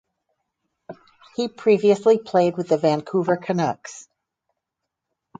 He previously played with the Vancouver Canucks.